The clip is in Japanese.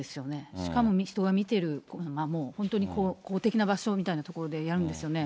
しかも人が見ている、本当に公的な場所みたいな所でやるんですよね。